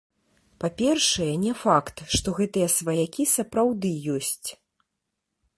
Па-першае, не факт, што гэтыя сваякі сапраўды ёсць.